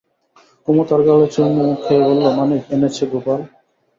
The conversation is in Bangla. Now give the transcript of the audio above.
কুমু তার গালে চুমু খেয়ে বললে, মানিক এনেছ গোপাল।